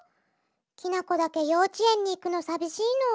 きなこだけようちえんにいくのさびしいの。